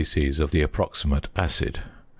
c. of the approximate "acid," 35.